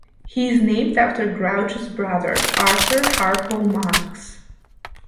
He is named after Groucho's brother Arthur "Harpo" Marx.